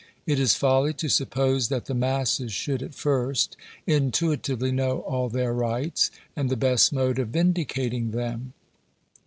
It is folly to suppose that the masses should, at first, intuitively know all their rights and the best mode of vindicating them.